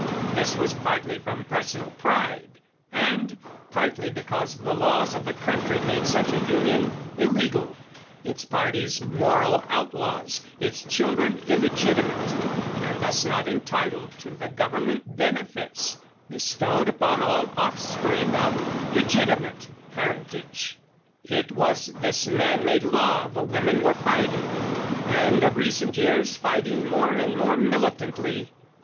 This was partly from personal pride and partly because the laws of the country made such a union illegal, its parties moral outlaws, its children illegitimate, and thus not entitled to the government benefits bestowed upon all offspring of legitimate parentage. It was this man made law the women were fighting, and of recent years fighting more and more militantly.